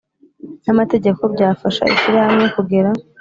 n amategeko byafasha ishyirahamwe kugera